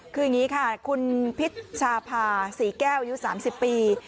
คืออย่างนี้ค่ะคุณพิชชาภาษีแก้วอายุ๓๐ปี